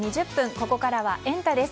ここからはエンタ！です。